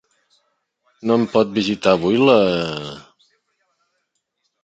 No em pot visitar avui la...?